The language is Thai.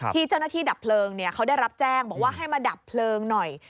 ที่เจ้าหน้าที่ดับเพลิงเขาได้รับแจ้งบอกว่าให้มาดับเพลิงหน่อย